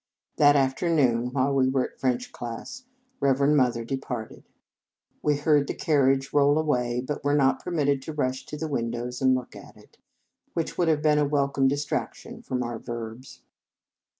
That afternoon, while we were at French class, Reverend Mother de parted. We heard the carriage roll 215 In Our Convent Days away, but were not permitted to rush to the windows and look at it, which would have been a welcome distrac tion from our verbs.